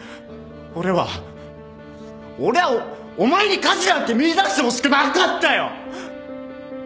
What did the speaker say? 俺は俺はお前に価値なんて見いだしてほしくなかったよ！